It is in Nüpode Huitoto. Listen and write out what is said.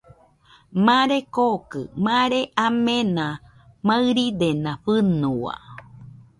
Mare kookɨ mare amena maɨridena fɨnua.